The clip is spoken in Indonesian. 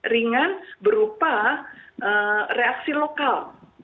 ringan berupa reaksi lokal